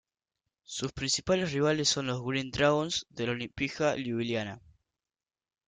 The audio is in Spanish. Sus principales rivales son los "Green Dragons" del Olimpija Ljubljana.